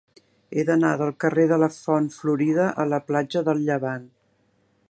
He d'anar del carrer de la Font Florida a la platja del Llevant.